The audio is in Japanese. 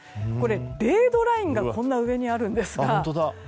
０度ラインがこんな上にあるんですが。